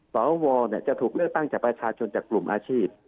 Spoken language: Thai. สวจะถูกเลือกตั้งจากประชาชนจากกลุ่มอาชีพ